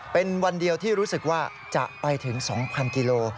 เป็นวันเดียวที่รู้สึกว่าจะไปถึง๒๐๐กิโล